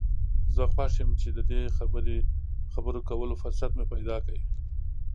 زه خوښ یم چې د دې خبرو کولو فرصت مې پیدا کړ.